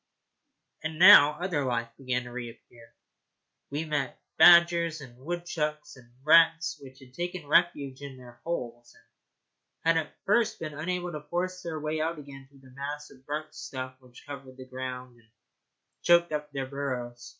And now other life began to reappear. We met badgers and woodchucks and rats which had taken refuge in their holes, and had at first been unable to force their way out again through the mass of burnt stuff which covered the ground and choked up their burrows.